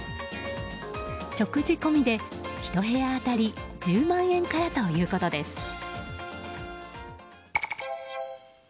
食事込みで１部屋当たり１０万円からということです。